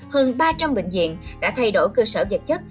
hơn ba trăm linh bệnh viện đã thay đổi cơ sở vật chất